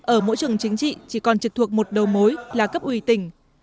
ở mỗi trường chính trị chỉ còn trực thuộc một đầu mối là cấp ủy tỉnh